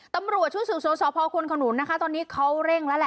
ตำรวจชื่อสื่อสศพคนนุนตอนนี้เขาเร่ง